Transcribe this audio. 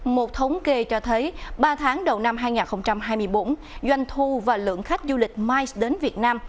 một thống kê cho thấy ba tháng đầu năm hai nghìn hai mươi bốn doanh thu và lượng khách du lịch mice đến việt nam